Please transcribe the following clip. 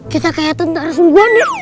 kita kaya tentara sungguhannya